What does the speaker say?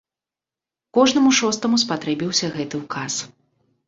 Кожнаму шостаму спатрэбіўся гэты ўказ.